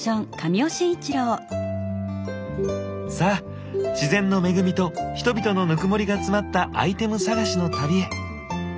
さあ自然の恵みと人々のぬくもりが詰まったアイテム探しの旅へ。